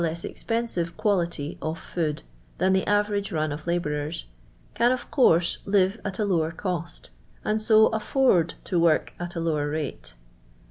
^s expensive quality of food than the avemge run of labourers, can of course live at a lower cost, and so afford to work at a lower rate.